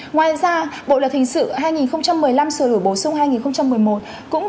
ngoài ra bộ lực hình sự hai nghìn một mươi năm xử lý bổ sung hai nghìn một mươi một